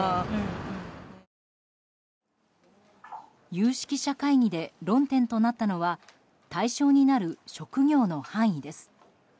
有識者会議で論点となったのは対象になる職業の範囲です。